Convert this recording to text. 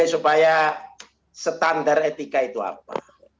supaya standar etika itu apa